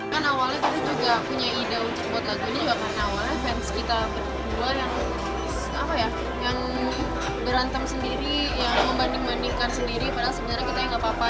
karena awalnya kita juga punya ide untuk buat lagunya juga karena awalnya fans kita berdua yang berantem sendiri yang membanding bandingkan sendiri padahal sebenarnya kita yang gak apa apa